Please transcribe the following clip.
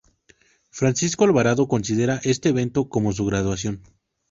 Francisco Alvarado considera este evento como su graduación.